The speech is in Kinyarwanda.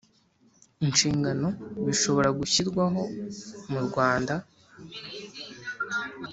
inshingano bishobora gushyirwaho mu rwanda